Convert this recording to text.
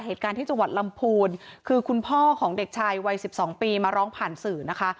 เหตุการณ์ที่จังหวัดลำพูนคือคุณพ่อของเด็กชายวัยสิบสองปีมาร้องผ่านสื่อนะคะ